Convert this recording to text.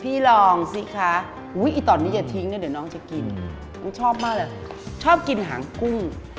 พี่ลองสิคะตอนนี้อย่าทิ้งนะเดี๋ยวน้องจะกินชอบมากเลยชอบกินหางกุ้ง